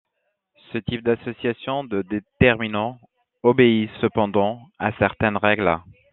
Ce type d'association de déterminants, obéit cependant à certaines règles.